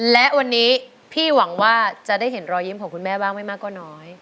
และวันนี้พี่หวังว่าจะได้เห็นรอยยิ้มของคุณแม่บ้างไม่มากก็น้อย